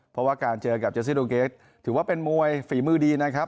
เพราะว่าการเจอกับเจซิโดเกสถือว่าเป็นมวยฝีมือดีนะครับ